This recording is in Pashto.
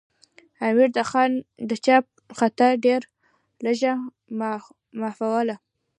امیر د چا خطا ډېره لږه معافوله.